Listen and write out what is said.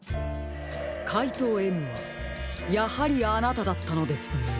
かいとうＭはやはりあなただったのですね。